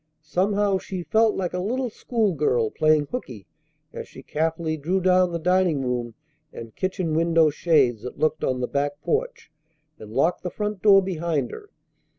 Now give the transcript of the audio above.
Somehow she felt like a little schoolgirl playing hookey as she carefully drew down the dining room and kitchen window shades that looked on the back porch, and locked the front door behind her.